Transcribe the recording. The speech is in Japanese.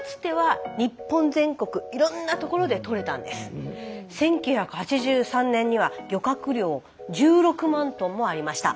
実は１９８３年には漁獲量１６万トンもありました。